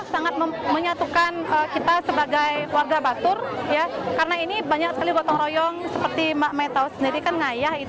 sangat menyatukan kita sebagai warga batur karena ini banyak sekali gotong royong seperti mak metau sendiri kan ngayah